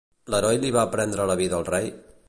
L'heroi li va prendre la vida al rei?